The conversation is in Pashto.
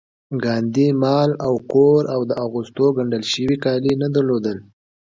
ګاندي مال او کور او د اغوستو ګنډل شوي کالي نه درلودل